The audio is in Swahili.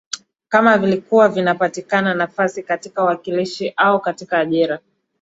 o kama vilikuwa vinapatikana nafasi katika uwakilishi au katika ajira